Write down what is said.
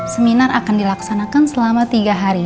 seminar akan dilaksanakan selama tiga hari